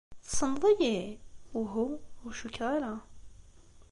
Tessneḍ-iyi? - Uhu, ur cukkeɣ ara.